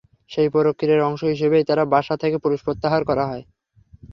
সেই প্রক্রিয়ার অংশ হিসেবেই তাঁর বাসা থেকে পুলিশ প্রত্যাহার করা হয়।